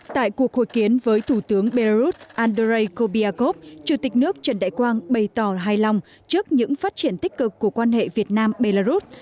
tại cuộc hội kiến với thủ tướng belarus andrei kobiakov chủ tịch nước trần đại quang bày tỏ hài lòng trước những phát triển tích cực của quan hệ việt nam belarus